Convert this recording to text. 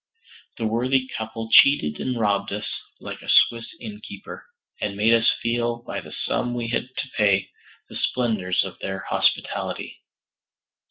The worthy couple cheated and robbed us like a Swiss innkeeper, and made us feel, by the sum we had to pay, the splendors of their hospitality.